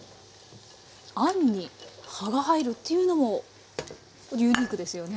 あんに葉が入るというのもユニークですよね。